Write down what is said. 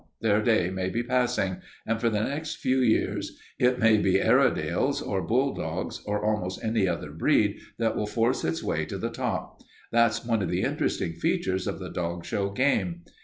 Their day may be passing, and for the next few years it may be Airedales or bulldogs, or almost any other breed that will force its way to the top. That's one of the interesting features of the dog show game.